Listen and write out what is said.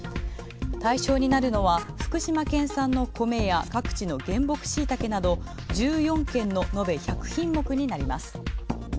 対象になるのは福島県産のコメや各地の原木シイタケなど、１４県の延べ１００品目になります。